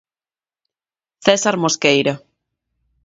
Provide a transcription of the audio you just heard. César Mosqueira.